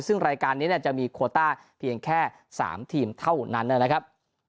ซึ่งรายการนี้จะมีโคต้าเพียงแค่๓ทีมเท่านั้นนะครับ